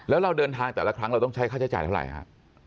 แล้วเราเดินทางแต่ละครั้งเราต้องใช้ค่าใช้จ่ายเท่าไหร่ฮะ